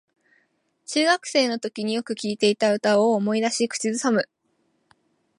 中学生のときによく聴いていた歌を思い出し口ずさむ